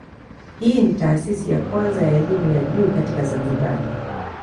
Hii ni taasisi ya kwanza ya elimu ya juu katika Zanzibar.